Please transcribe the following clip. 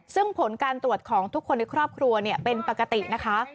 ซึ่งผลการตรวจของทุกคนในครอบครัวเป็นปกตินะคะ